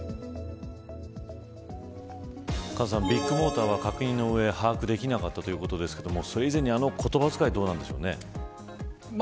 カズさんビッグモーターは確認の上把握できなかったということですがそれ以前にあの言葉遣いどうなんでしょうね。